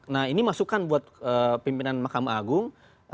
nah ini masukan buat pimpinan mahkamah agung